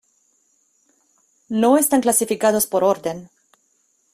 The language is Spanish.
No están clasificados por orden.